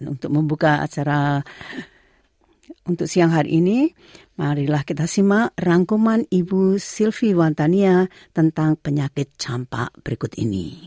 untuk siang hari ini marilah kita simak rangkuman ibu sylvie wantania tentang penyakit campak berikut ini